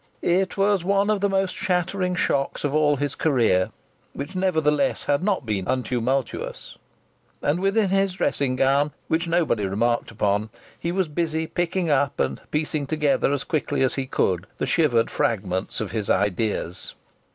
It was one of the most shattering shocks of all his career, which nevertheless had not been untumultuous. And within his dressing gown which nobody remarked upon he was busy picking up and piecing together, as quickly as he could, the shivered fragments of his ideas.